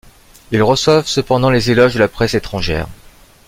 Ils reçoivent cependant les éloges de la presse étrangère.